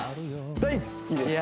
大好きです！